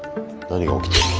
何が起きてる。